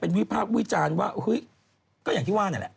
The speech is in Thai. วิพากษ์วิจารณ์ว่าเฮ้ยก็อย่างที่ว่านั่นแหละ